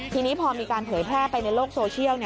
ทีนี้พอมีการเผยแพร่ไปในโลกโซเชียล